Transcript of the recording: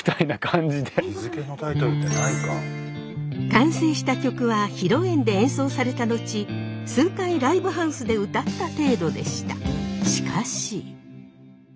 完成した曲は披露宴で演奏された後数回ライブハウスで歌った程度でした。